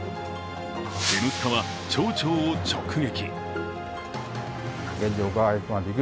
「Ｎスタ」は町長を直撃。